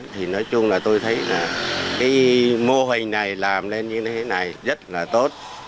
thì nói chung là tôi thấy là cái mô hình này làm lên như thế này rất là tốt